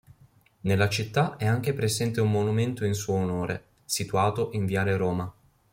Nella città è anche presente un monumento in suo onore, situato in viale Roma.